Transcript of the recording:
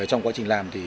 trong quá trình làm thì